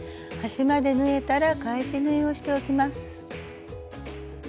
端まで縫えたら返し縫いをしておきます。